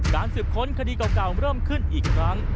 สืบค้นคดีเก่าเริ่มขึ้นอีกครั้ง